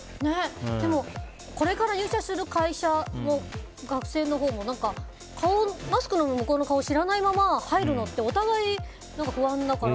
でも、これから入社する会社も学生のほうもマスクの向こうの顔を知らないまま入るのってお互い不安だから。